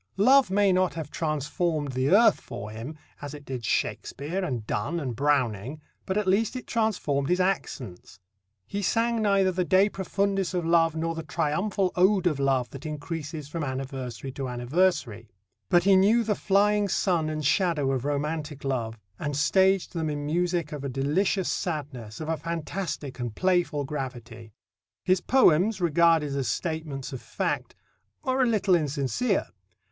Love may not have transformed the earth for him, as it did Shakespeare and Donne and Browning, but at least it transformed his accents. He sang neither the "De Profundis" of love nor the triumphal ode of love that increases from anniversary to anniversary; but he knew the flying sun and shadow of romantic love, and staged them in music of a delicious sadness, of a fantastic and playful gravity. His poems, regarded as statements of fact, are a little insincere.